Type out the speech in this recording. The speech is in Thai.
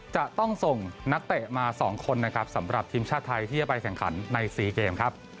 จะต้องส่งนักเตะมา๒คนนะครับสำหรับทีมชาติไทยที่จะไปแข่งขันใน๔เกมครับ